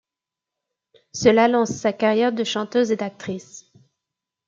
Cela lance sa carrière de chanteuse et d'actrice.